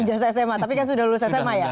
jasa sma tapi kan sudah lulus sma ya